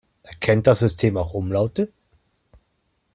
Erkennt das System auch Umlaute?